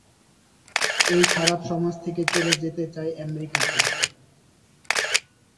এই খারাপ সমাজ থেকে চলে যেতে চায় অ্যামেরিকাতে।